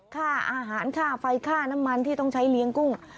ค่าอาหารค่าไฟค่าน้ำมันที่ต้องใช้เลี้ยงกุ้ง